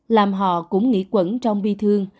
làm họ cũng nghỉ quẩn trong bi thương